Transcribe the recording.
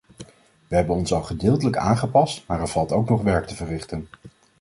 We hebben ons al gedeeltelijk aangepast, maar er valt ook nog werk te verrichten.